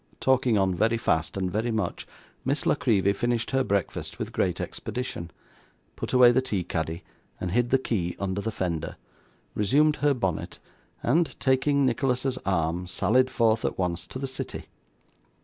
Talking on very fast and very much, Miss La Creevy finished her breakfast with great expedition, put away the tea caddy and hid the key under the fender, resumed her bonnet, and, taking Nicholas's arm, sallied forth at once to the city.